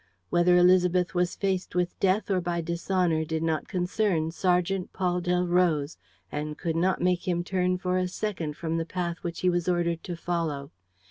Whether Élisabeth was faced by death or by dishonor did not concern Sergeant Paul Delroze and could not make him turn for a second from the path which he was ordered to follow.